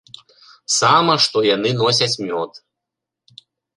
Сама што яны носяць мёд.